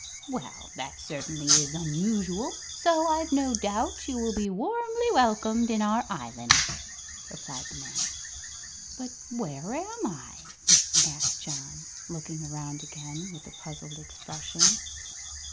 "Well, that certainly is unusual, so I've no doubt you will be warmly welcomed in our Island," replied the man. "But where am I?" asked John, looking around again with a puzzled expression.